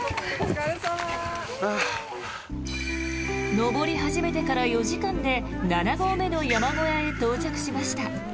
登り始めてから４時間で７合目の山小屋へ到着しました。